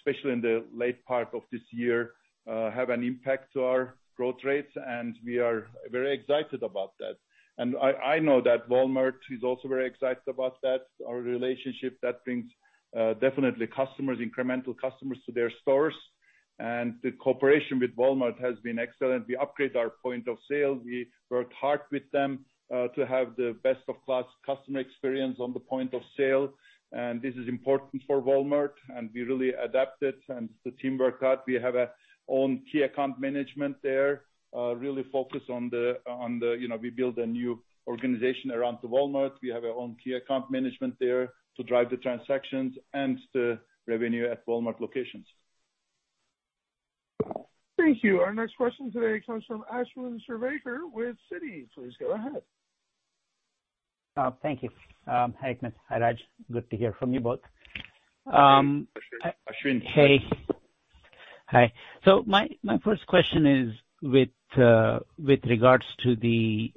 especially in the late part of this year, have an impact to our growth rates, and we are very excited about that. I know that Walmart is also very excited about that, our relationship that brings definitely customers, incremental customers to their stores. The cooperation with Walmart has been excellent. We upgrade our point of sale. We worked hard with them to have the best of class customer experience on the point of sale. This is important for Walmart, and we really adapt it, and the team work hard. We have our own key account management there. We build a new organization around the Walmart. We have our own key account management there to drive the transactions and the revenue at Walmart locations. Thank you. Our next question today comes from Ashwin Shirvaikar with Citi. Please go ahead. Thank you. Hi, Hikmet. Hi, Raj. Good to hear from you both. Ashwin. Hey. Hi. My first question is with regards to the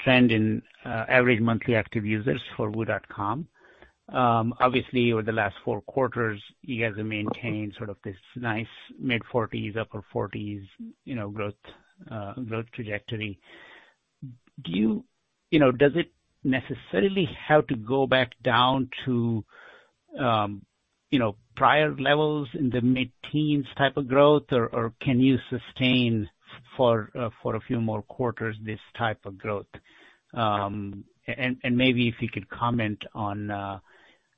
trend in average monthly active users for WU.com. Obviously, over the last four quarters, you guys have maintained sort of this nice mid-40s, upper 40s growth trajectory. Does it necessarily have to go back down to prior levels in the mid-teens type of growth, or can you sustain for a few more quarters this type of growth? Maybe if you could comment on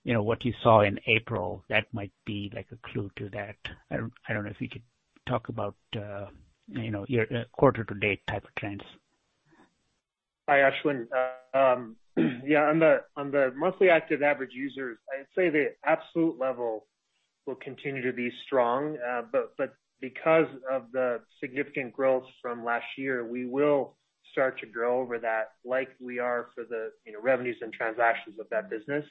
what you saw in April, that might be like a clue to that. I don't know if you could talk about your quarter to date type of trends. Hi, Ashwin. Yeah, on the monthly active average users, I'd say the absolute level will continue to be strong. Because of the significant growth from last year, we will start to grow over that like we are for the revenues and transactions of that business.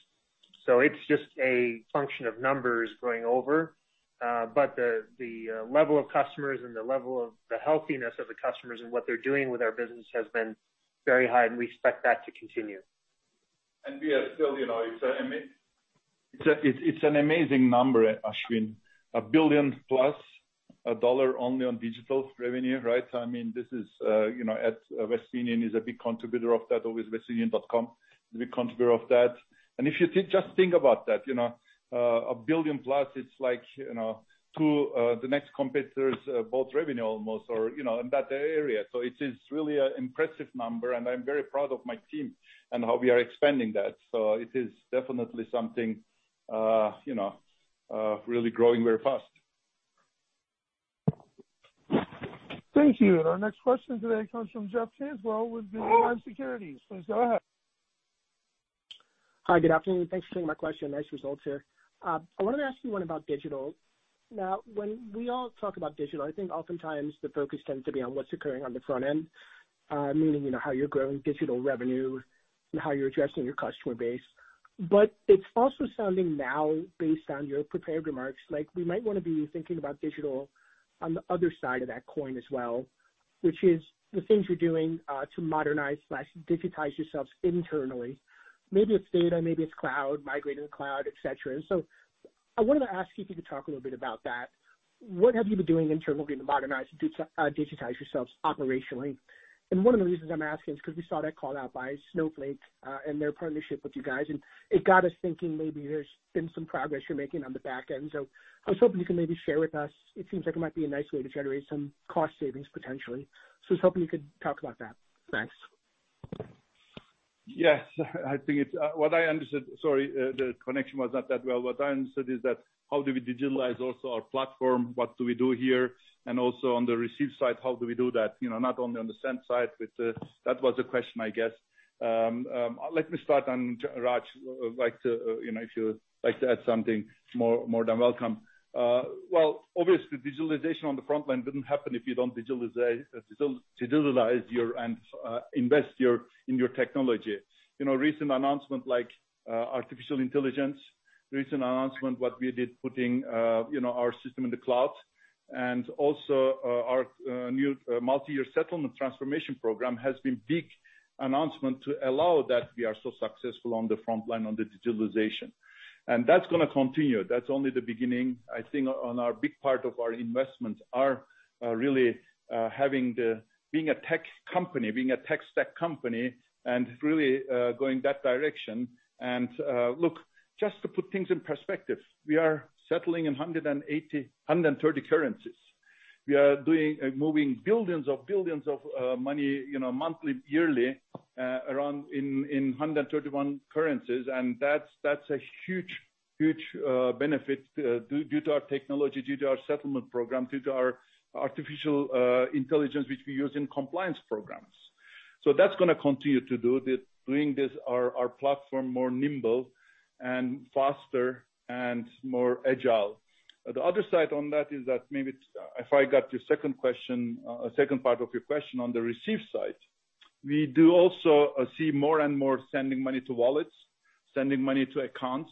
It's just a function of numbers going over. The level of customers and the level of the healthiness of the customers and what they're doing with our business has been very high, and we expect that to continue. We are still, it's an amazing number, Ashwin. A $1 billion+ only on digital revenue, right? Western Union is a big contributor of that, always westernunion.com is a big contributor of that. If you just think about that, a $1 billion+, it's like two the next competitors both revenue almost or in that area. It is really an impressive number, and I'm very proud of my team and how we are expanding that. It is definitely something really growing very fast. Thank you. Our next question today comes from Jeff Cantwell with Guggenheim Securities. Please go ahead. Hi, good afternoon. Thanks for taking my question. Nice results here. I wanted to ask you one about digital. When we all talk about digital, I think oftentimes the focus tends to be on what's occurring on the front end, meaning how you're growing digital revenue and how you're addressing your customer base. It's also sounding now, based on your prepared remarks, like we might want to be thinking about digital on the other side of that coin as well, which is the things you're doing to modernize/digitize yourselves internally. Maybe it's data, maybe it's cloud, migrating to cloud, et cetera. I wanted to ask you if you could talk a little bit about that. What have you been doing internally to modernize, digitize yourselves operationally? One of the reasons I'm asking is because we saw that called out by Snowflake and their partnership with you guys, and it got us thinking maybe there's been some progress you're making on the back end. I was hoping you can maybe share with us. It seems like it might be a nice way to generate some cost savings, potentially. I was hoping you could talk about that. Thanks. Yes. What I understood, sorry, the connection was not that well. What I understood is that how do we digitalize also our platform? What do we do here? Also on the receive side, how do we do that? Not only on the send side. That was the question, I guess. Let me start, and Raj, if you would like to add something, more than welcome. Well, obviously digitalization on the front line wouldn't happen if you don't digitalize and invest in your technology. Recent announcement like artificial intelligence, recent announcement what we did putting our system in the cloud, and also our new multi-year settlement transformation program has been big announcement to allow that we are so successful on the front line on the digitalization. That's going to continue. That's only the beginning. I think on our big part of our investments are really being a tech stack company and really going that direction. Look, just to put things in perspective, we are settling in 130 currencies. We are moving billions of billions of money monthly, yearly, in 131 currencies. That's a huge benefit due to our technology, due to our settlement program, due to our artificial intelligence which we use in compliance programs. That's going to continue doing this our platform more nimble and faster and more agile. The other side on that is that maybe if I got the second part of your question on the receive side, we do also see more and more sending money to wallets, sending money to accounts.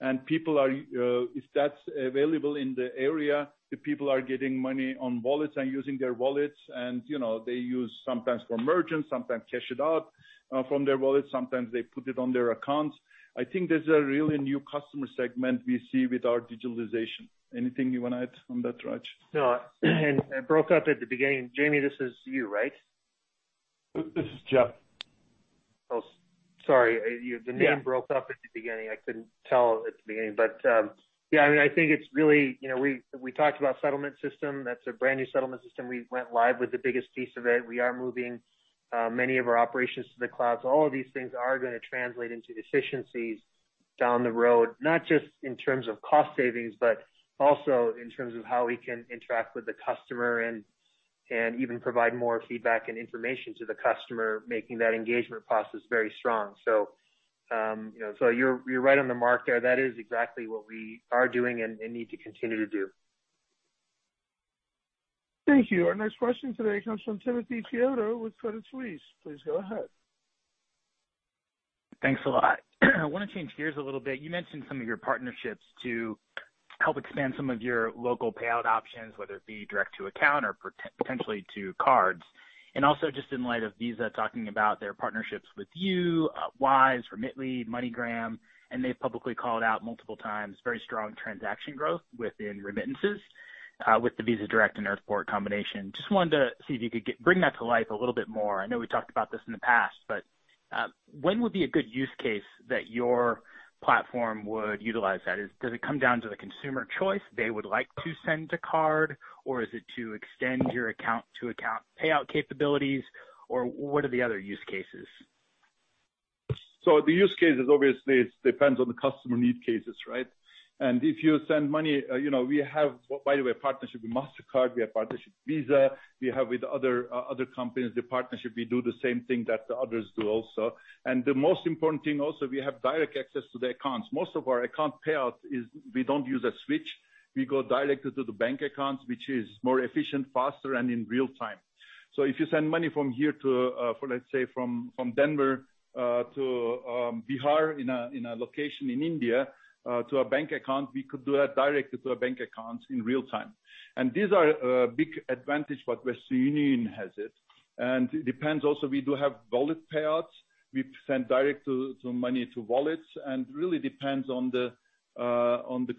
If that's available in the area, the people are getting money on wallets and using their wallets and they use sometimes for merchants, sometimes cash it out from their wallets, sometimes they put it on their accounts. I think there's a really new customer segment we see with our digitalization. Anything you want to add on that, Raj? No. It broke up at the beginning. Jamie, this is you, right? This is Jeff. Oh, sorry. The name broke up at the beginning. I couldn't tell at the beginning. Yeah, I think it's really, we talked about settlement system. That's a brand new settlement system. We went live with the biggest piece of it. We are moving many of our operations to the cloud. All of these things are going to translate into efficiencies down the road, not just in terms of cost savings, but also in terms of how we can interact with the customer and even provide more feedback and information to the customer, making that engagement process very strong. You're right on the mark there. That is exactly what we are doing and need to continue to do. Thank you. Our next question today comes from Timothy Chiodo with Credit Suisse. Please go ahead. Thanks a lot. I want to change gears a little bit. You mentioned some of your partnerships to help expand some of your local payout options, whether it be direct to account or potentially to cards. Also just in light of Visa talking about their partnerships with you, Wise, Remitly, MoneyGram, they've publicly called out multiple times very strong transaction growth within remittances with the Visa Direct and Earthport combination. Just wanted to see if you could bring that to life a little bit more. I know we've talked about this in the past, when would be a good use case that your platform would utilize that? Does it come down to the consumer choice, they would like to send to card, or is it to extend your account to account payout capabilities, or what are the other use cases? The use cases obviously depends on the customer need cases, right? If you send money, we have, by the way, a partnership with Mastercard, we have partnership with Visa, we have with other companies, the partnership. We do the same thing that the others do also. The most important thing also, we have direct access to the accounts. Most of our account payouts is we don't use a switch. We go directly to the bank accounts, which is more efficient, faster, and in real time. If you send money from here to, let's say, from Denver to Bihar in a location in India to a bank account, we could do that directly to a bank account in real time. These are a big advantage, but Western Union has it. It depends also, we do have wallet payouts. We send direct money to wallets, really depends on the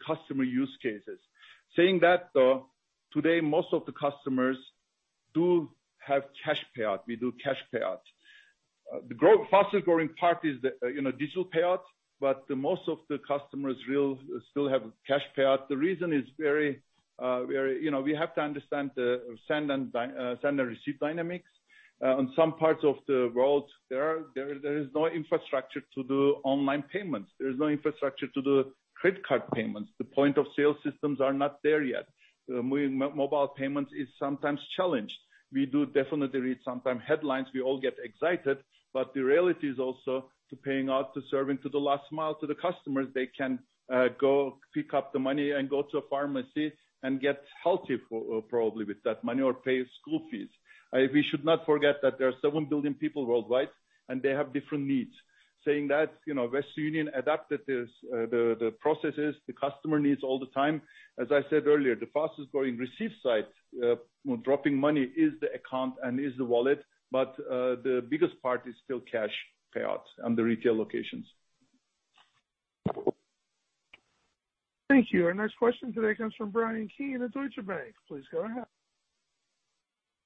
customer use cases. Saying that though, today most of the customers do have cash payout. We do cash payouts. The fastest-growing part is digital payouts, most of the customers still have cash payout. The reason is we have to understand the send and receive dynamics. On some parts of the world, there is no infrastructure to do online payments. There is no infrastructure to do credit card payments. The point-of-sale systems are not there yet. Mobile payments is sometimes challenged. We do definitely read sometimes headlines. We all get excited, the reality is also to paying out to serving to the last mile to the customers. They can go pick up the money and go to a pharmacy and get healthy probably with that money or pay school fees. We should not forget that there are seven billion people worldwide, and they have different needs. Saying that, Western Union adapted the processes, the customer needs all the time. As I said earlier, the fastest-growing receive side, dropping money is the account and is the wallet, but the biggest part is still cash payouts and the retail locations. Thank you. Our next question today comes from Bryan Keane of Deutsche Bank. Please go ahead.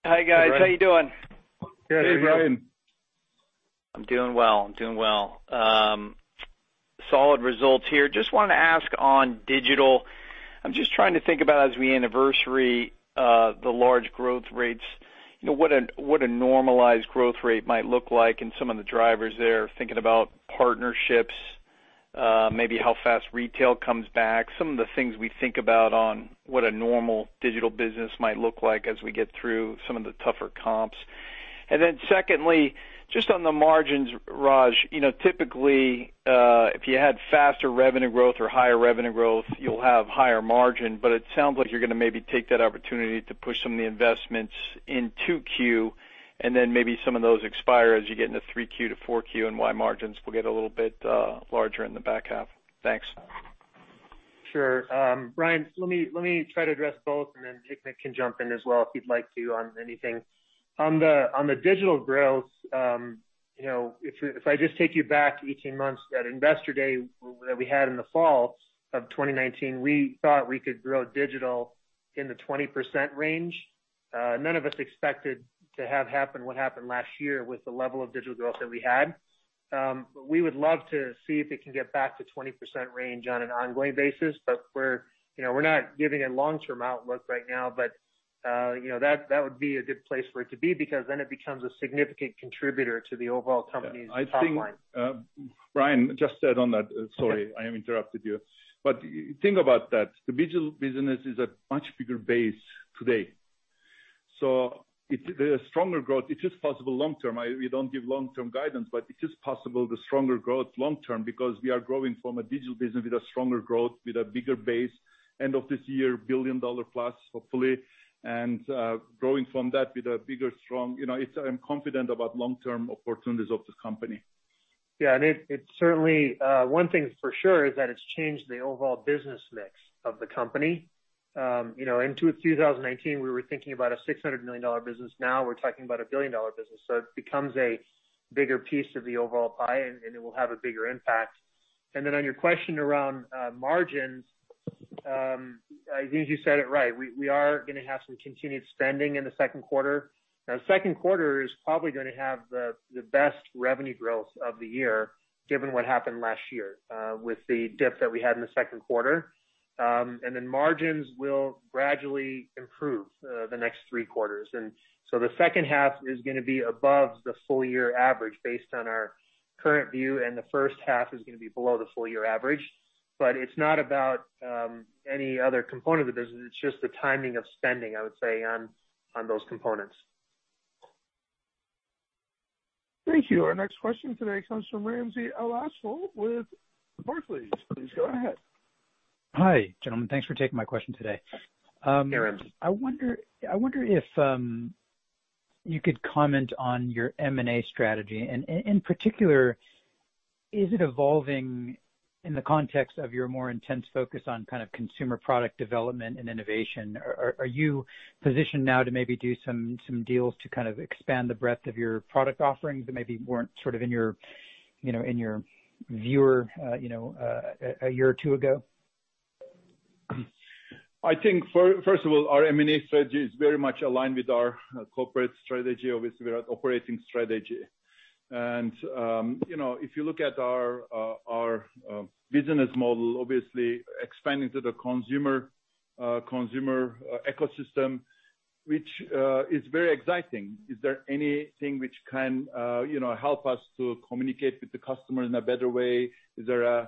Hi, guys. How you doing? Hey, Bryan. Hey, Bryan. I'm doing well. Solid results here. Just want to ask on digital. I'm just trying to think about as we anniversary the large growth rates, what a normalized growth rate might look like and some of the drivers there, thinking about partnerships, maybe how fast retail comes back, some of the things we think about on what a normal digital business might look like as we get through some of the tougher comps. Then secondly, just on the margins, Raj, typically, if you had faster revenue growth or higher revenue growth, you'll have higher margin, but it sounds like you're going to maybe take that opportunity to push some of the investments in 2Q, then maybe some of those expire as you get into 3Q ,4Q, and your margins will get a little bit larger in the back half. Thanks. Sure. Bryan, let me try to address both and then Hikmet can jump in as well if he'd like to on anything. On the digital growth, if I just take you back 18 months, that investor day that we had in the fall of 2019, we thought we could grow digital in the 20% range. None of us expected to have happen what happened last year with the level of digital growth that we had. We would love to see if it can get back to 20% range on an ongoing basis. We're not giving a long-term outlook right now, but that would be a good place for it to be, because then it becomes a significant contributor to the overall company's top line. I think, Bryan, just to add on that, sorry, I interrupted you. Think about that. The digital business is a much bigger base today. It is a stronger growth. It is possible long term. We don't give long-term guidance, but it is possible the stronger growth long term, because we are growing from a digital business with a stronger growth, with a bigger base, end of this year, $1 billion+, hopefully. Growing from that with a bigger, I'm confident about long-term opportunities of the company. One thing for sure is that it's changed the overall business mix of the company. In 2019, we were thinking about a $600 million business. We're talking about a billion-dollar business, so it becomes a bigger piece of the overall pie, and it will have a bigger impact. On your question around margins, I think you said it right. We are going to have some continued spending in the second quarter. Second quarter is probably going to have the best revenue growth of the year, given what happened last year with the dip that we had in the second quarter. Margins will gradually improve the next three quarters. The second half is going to be above the full year average based on our current view, and the first half is going to be below the full year average. It's not about any other component of the business. It's just the timing of spending, I would say, on those components. Thank you. Our next question today comes from Ramsey El-Assal with Barclays. Please go ahead. Hi, gentlemen. Thanks for taking my question today. Hey, Ramsey. I wonder if you could comment on your M&A strategy, and in particular, is it evolving in the context of your more intense focus on consumer product development and innovation? Are you positioned now to maybe do some deals to expand the breadth of your product offerings that maybe weren't in your view a year or two ago? I think, first of all, our M&A strategy is very much aligned with our corporate strategy. We are at operating strategy. If you look at our business model, obviously expanding to the consumer ecosystem, which is very exciting. Is there anything which can help us to communicate with the customer in a better way? Is there a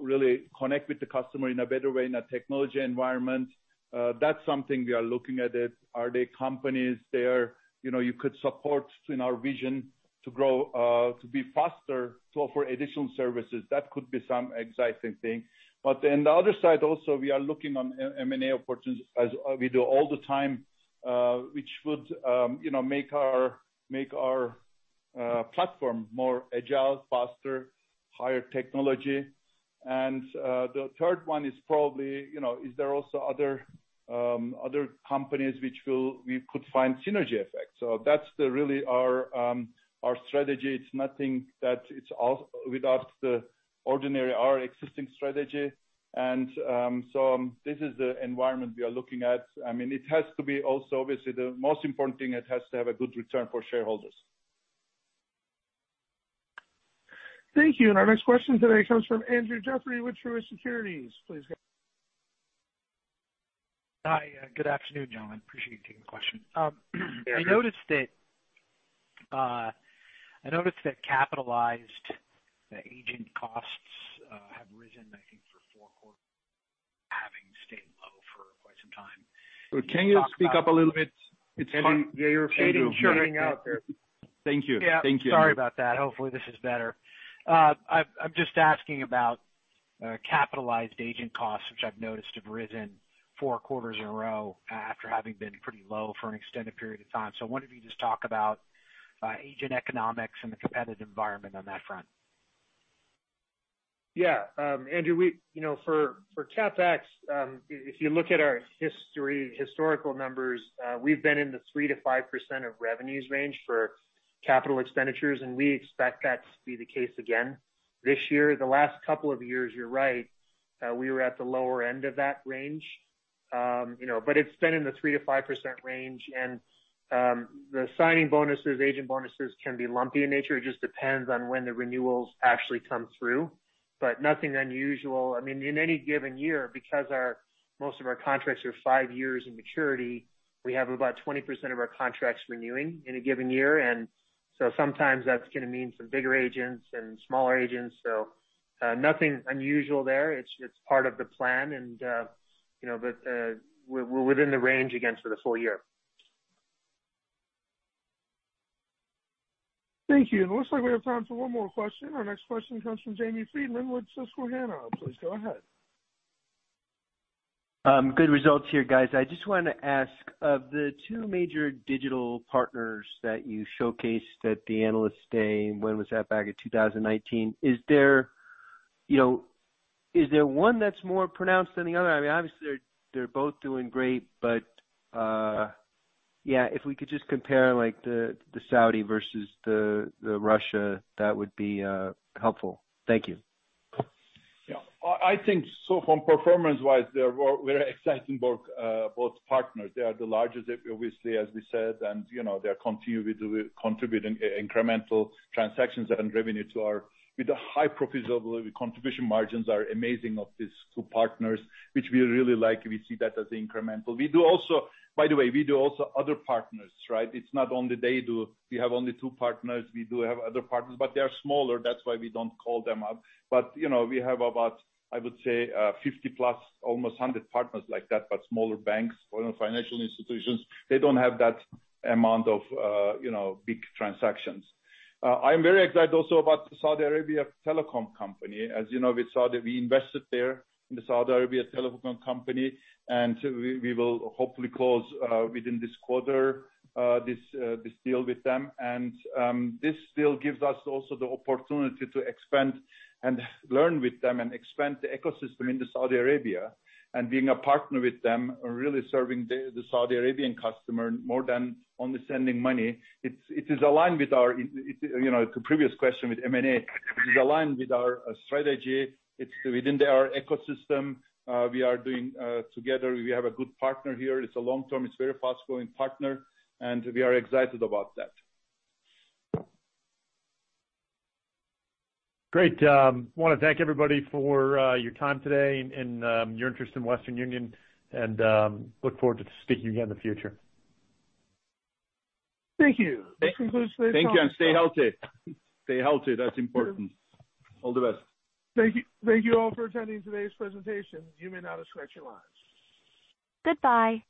really connect with the customer in a better way in a technology environment? That's something we are looking at it. Are there companies there you could support in our vision to grow, to be faster, to offer additional services? That could be some exciting thing. The other side also, we are looking on M&A opportunities as we do all the time, which would make our platform more agile, faster, higher technology. The third one is probably, is there also other companies which we could find synergy effects? That's really our strategy. It's nothing that is without the ordinary, our existing strategy. This is the environment we are looking at. It has to be also, obviously, the most important thing, it has to have a good return for shareholders. Thank you. Our next question today comes from Andrew Jeffrey with Truist Securities. Please go ahead. Hi. Good afternoon, gentlemen. Appreciate you taking the question. Hey, Andrew. I noticed that capitalized agent costs have risen, I think, for four quarters, having stayed low for quite some time. Can you speak up a little bit? It's hard. Yeah, you're fading in and out there. Thank you. Yeah. Sorry about that. Hopefully, this is better. I'm just asking about capitalized agent costs, which I've noticed have risen four quarters in a row after having been pretty low for an extended period of time. I wonder if you could just talk about agent economics and the competitive environment on that front. Andrew, for CapEx, if you look at our historical numbers, we've been in the 3%-5% of revenues range for capital expenditures, and we expect that to be the case again this year. The last couple of years, you're right, we were at the lower end of that range. It's been in the 3%-5% range. The signing bonuses, agent bonuses can be lumpy in nature. It just depends on when the renewals actually come through, but nothing unusual. In any given year, because most of our contracts are five years in maturity, we have about 20% of our contracts renewing in a given year. Sometimes that's going to mean some bigger agents and smaller agents. Nothing unusual there. It's part of the plan, but we're within the range again for the full year. Thank you. It looks like we have time for one more question. Our next question comes from Jamie Friedman with Susquehanna. Please go ahead. Good results here, guys. I just want to ask, of the two major digital partners that you showcased at the Analyst Day, when was that? Back in 2019. Is there one that's more pronounced than the other? Obviously, they're both doing great, but if we could just compare the Saudi versus the Russia, that would be helpful. Thank you. I think so from performance-wise, they're very exciting both partners. They are the largest, obviously, as we said, and they're contributing incremental transactions and revenue to our-- with a high profitability contribution margins are amazing of these two partners, which we really like. We see that as incremental. We do also other partners, right? It's not only they do. We have only two partners. We do have other partners, but they are smaller, that's why we don't call them up. We have about, I would say, 50+, almost 100 partners like that, but smaller banks or financial institutions. They don't have that amount of big transactions. I'm very excited also about the Saudi Arabia Telecom Company. As you know, we invested there in the Saudi Arabia Telecom Company, and we will hopefully close within this quarter this deal with them. This deal gives us also the opportunity to expand and learn with them and expand the ecosystem into Saudi Arabia, being a partner with them and really serving the Saudi Arabian customer more than only sending money. It is aligned with our previous question with M&A. It is aligned with our strategy. It's within our ecosystem. We are doing together. We have a good partner here. It's a long-term, it's very fast-growing partner. We are excited about that. Great. I want to thank everybody for your time today and your interest in Western Union, and look forward to speaking again in the future. Thank you. This concludes today's conference call. Thank you, and stay healthy. Stay healthy. That's important. All the best. Thank you all for attending today's presentation. You may now disconnect your lines. Goodbye.